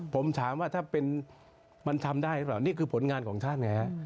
ผมถามว่าถ้าเป็นมันทำได้หรือเปล่านี่คือผลงานของท่านไงฮะ